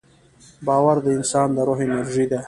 باور د انسان د روح انرژي ده.